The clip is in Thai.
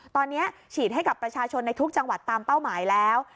ตอนนี้ฉีดให้กับประชาชนในทุกจังหวัดตามเป้าหมายแล้ว